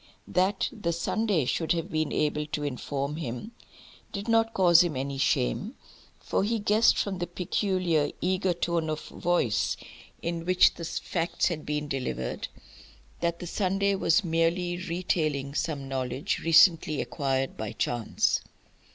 That the Sunday should have been able to inform him did not cause him any shame, for he guessed from the peculiar eager tone of voice in which the facts had been delivered, that the Sunday was merely retailing some knowledge recently acquired by chance.